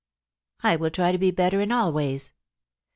... I will try to be better in all ways. .